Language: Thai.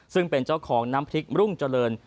ซึ่งเป็นเจ้าของน้ำพริกรุ่งเจริญ